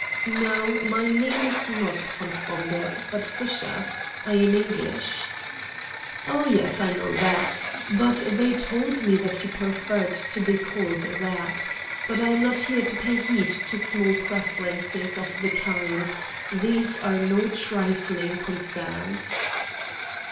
"No. My name is not von Fromberg, but Fisher. I am English." "Oh, yes, I know that. They told me that you preferred to be called that. But I am not here to pay heed to small preferences of the kind. These are no trifling concerns."